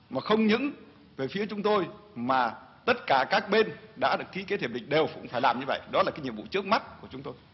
mà không những về phía chúng tôi mà tất cả các bên đã được ký kết hiệp định đều cũng phải làm như vậy đó là cái nhiệm vụ trước mắt của chúng tôi